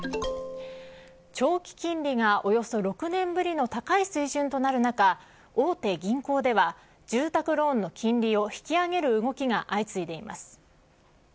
長期金利がおよそ６年ぶりの高い水準となる中大手銀行では住宅ローンの金利を引き上げる動きが相次いでいます。